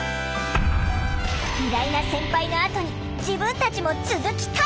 「偉大な先輩のあとに自分たちも続きたい！」。